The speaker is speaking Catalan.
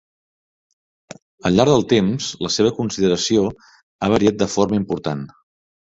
Al llarg del temps la seva consideració ha variat de forma important.